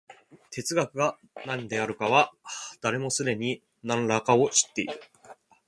哲学が何であるかは、誰もすでに何等か知っている。